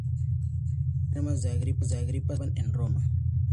Las termas de agripa se situaban en Roma